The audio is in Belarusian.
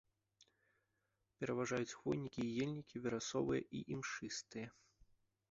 Пераважаюць хвойнікі і ельнікі верасовыя і імшыстыя.